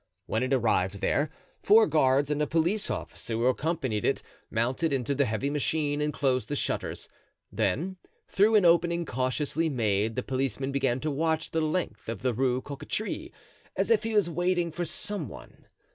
When it arrived there, four guards and a police officer, who accompanied it, mounted into the heavy machine and closed the shutters; then through an opening cautiously made, the policeman began to watch the length of the Rue Cocatrix, as if he was waiting for some one.